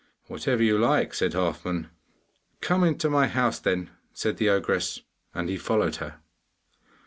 'Whatever you like!' said Halfman. 'Come into my house, then,' said the ogress, and he followed her.